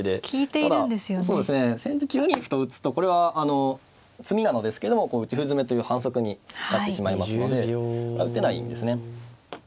ただ先手９二歩と打つとこれは詰みなのですけども打ち歩詰めという反則になってしまいますので打てないんですね。